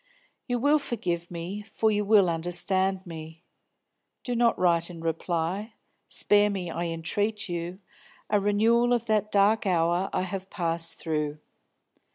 "You will forgive me, for you will understand me. Do not write in reply; spare me, I entreat you, a renewal of that dark hour I have passed through.